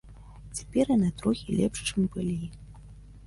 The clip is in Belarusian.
Цяпер яны трохі лепш, чым былі.